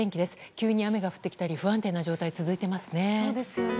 急に雨が降ってきたり不安定な状態が続いていますね。